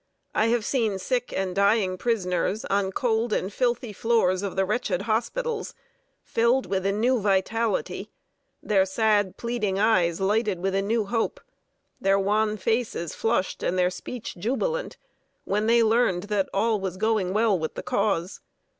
I have seen sick and dying prisoners on cold and filthy floors of the wretched hospitals filled with a new vitality their sad, pleading eyes lighted with a new hope, their wan faces flushed, and their speech jubilant, when they learned that all was going well with the Cause.